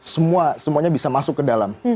semuanya bisa masuk ke dalam